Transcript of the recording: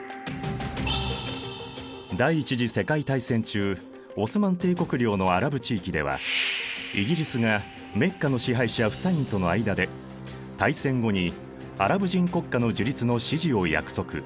第一次世界大戦中オスマン帝国領のアラブ地域ではイギリスがメッカの支配者フサインとの間で大戦後にアラブ人国家の樹立の支持を約束。